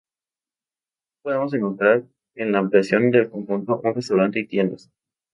Hoy podemos encontrar en la ampliación del conjunto un restaurante y tiendas.